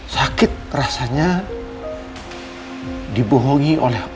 sakit rasanya dibohongi oleh